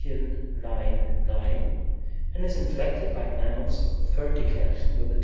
ix. 9), and is in flected like nouns of the third declension with the G.